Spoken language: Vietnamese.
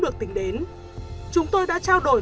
được tính đến chúng tôi đã trao đổi